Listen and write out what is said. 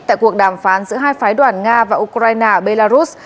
tại cuộc đàm phán giữa hai phái đoàn nga và ukraine ở belarus